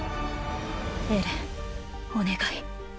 エレンお願い。